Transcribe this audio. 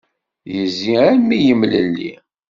Yezzi armi yemlelli.